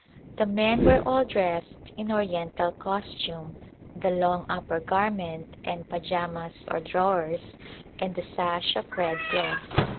The men were all dressed in Oriental costume, the long upper garment and pajamas or drawers, and a sash of red cloth.